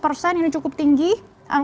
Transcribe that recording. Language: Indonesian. kalau misalnya kita lihat di kategori operasional